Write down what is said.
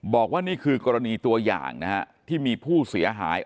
บอกว่านี่คือกรณีตัวอย่างนะฮะที่มีผู้เสียหาย